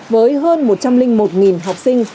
với hơn một trăm linh một học sinh